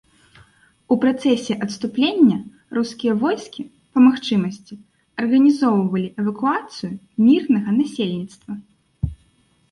У працэсе адступлення рускія войскі, па магчымасці, арганізоўвалі эвакуацыю мірнага насельніцтва.